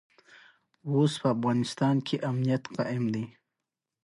د جلیانواله باغ قتل عام وشو.